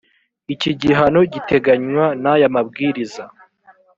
iki gihano giteganywa n aya mabwiriza